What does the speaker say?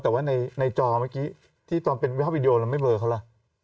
แต่ว่าในจอเมื่อกี้ที่ตอนเป็นวิภาพวิดีโอแล้วไม่เบอร์เขาล่ะ